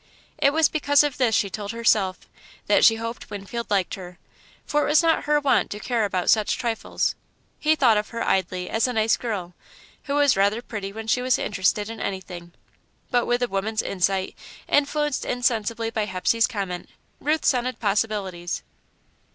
It was because of this, she told herself, that she hoped Winfield liked her, for it was not her wont to care about such trifles. He thought of her, idly, as a nice girl, who was rather pretty when she was interested in anything; but, with a woman's insight, influenced insensibly by Hepsey's comment, Ruth scented possibilities.